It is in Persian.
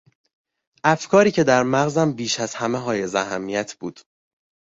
افکاری که در مغزم بیش از همه حایز اهمیت بود.